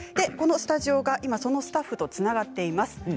このスタジオは今そのスタッフとつながっています。